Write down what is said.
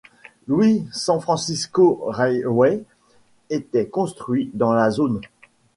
Louis-San Francisco Railway était construite dans la zone.